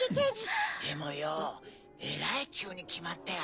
でもよえらい急に決まったよな。